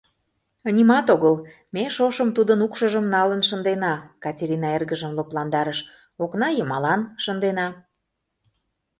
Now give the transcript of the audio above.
— Нимат огыл, ме шошым тудын укшыжым налын шындена, — Катерина эргыжым лыпландарыш, — окна йымалан шындена.